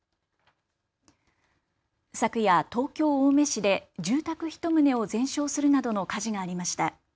昨夜、東京青梅市で住宅１棟を全焼するなどの火事がありました。